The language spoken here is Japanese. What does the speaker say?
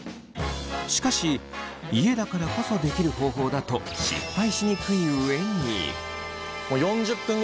しかし家だからこそできる方法だと失敗しにくい上に。